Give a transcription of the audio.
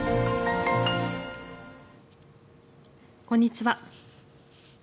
こんにちは。